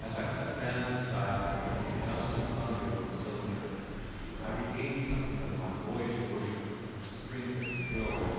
As I cut bands beside him in the dust and thunder of the cylinder I regained something of my boyish worship of his strength and skill.